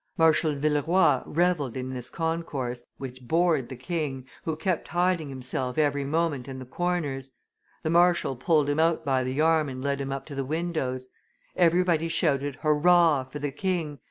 Marshal Villeroy revelled in this concourse, which bored the king, who kept hiding himself every moment in the corners; the marshal pulled him out by the arm and led him up to the windows. Everybody shouted 'Hurrah! for the king!